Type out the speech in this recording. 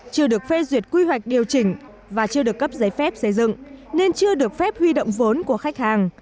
chưa được phê duyệt quy hoạch điều chỉnh và chưa được cấp giấy phép xây dựng nên chưa được phép huy động vốn của khách hàng